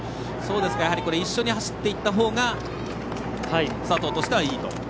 一緒に走っていったほうが佐藤としてはいいと。